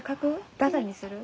ダダにする？